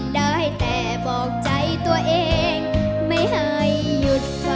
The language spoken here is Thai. ได้แต่บอกใจตัวเองไม่ให้หยุด